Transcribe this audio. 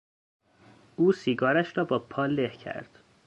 او سیگارش را با پا له کرد.